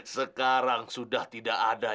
sekarang sudah tidak ada